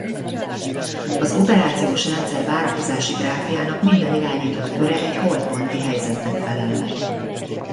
Az operációs rendszer várakozási gráfjának minden irányított köre egy holtponti helyzetnek felel meg.